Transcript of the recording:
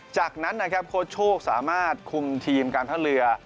จากนั้นโคชโศกสามารถคุมทีมการท่าเรือ